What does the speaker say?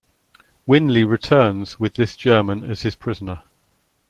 Winley returns with this German as his prisoner.